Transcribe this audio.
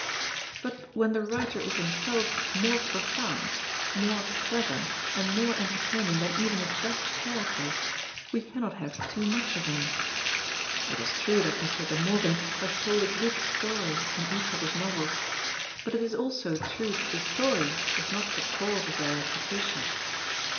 But when the writer is himself more profound, more clever, and more entertaining than even his best characters, we cannot have too much of him. It is true that Mr. De Morgan has told a good story in each of his novels; but it is also true that the story is not the cause of their reputation.